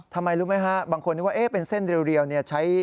ทำไมรู้ไหมฮะบางคนนึกว่าเป็นเส้นเรียวเนี่ยใช้